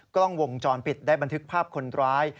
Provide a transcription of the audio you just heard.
กล้องวงจรปิดได้บันทึกภาพคนร้าย